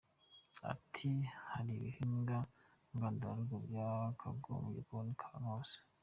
Ati “Hari ibihingwa ngandurarugo byakagombye kuboneka ahantu hose.